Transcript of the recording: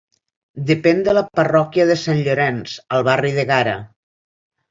Depèn de la parròquia de Sant Llorenç, al barri d'Ègara.